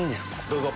どうぞ。